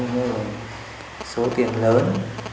thế là số tiền lớn